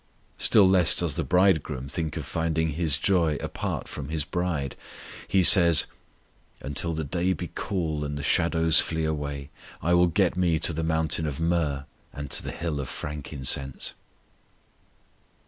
Still less does the Bridegroom think of finding His joy apart from His bride. He says: Until the day be cool, and the shadows flee away, I will get Me to the mountain of myrrh, And to the hill of frankincense.